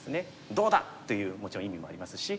「どうだ！」というもちろん意味もありますし。